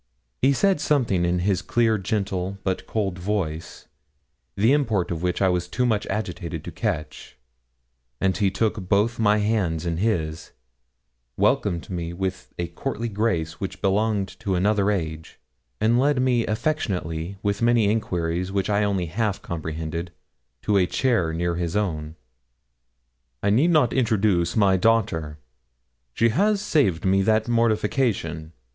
He said something in his clear, gentle, but cold voice, the import of which I was too much agitated to catch, and he took both my hands in his, welcomed me with a courtly grace which belonged to another age, and led me affectionately, with many inquiries which I only half comprehended, to a chair near his own. 'I need not introduce my daughter; she has saved me that mortification.